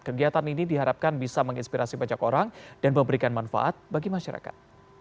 kegiatan ini diharapkan bisa menginspirasi banyak orang dan memberikan manfaat bagi masyarakat